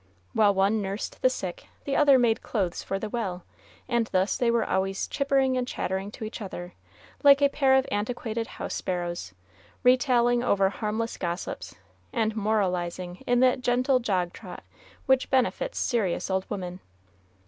While one nursed the sick, the other made clothes for the well; and thus they were always chippering and chatting to each other, like a pair of antiquated house sparrows, retailing over harmless gossips, and moralizing in that gentle jogtrot which befits serious old women.